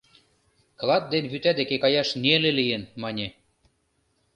Клат ден вӱта деке каяш неле лийын, мане.